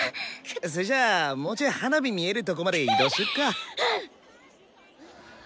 それじゃあもうちょい花火見えるとこまで移動しよっか。